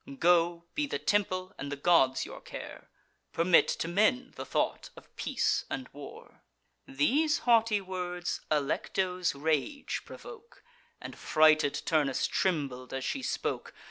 Go; be the temple and the gods your care; Permit to men the thought of peace and war." These haughty words Alecto's rage provoke, And frighted Turnus trembled as she spoke.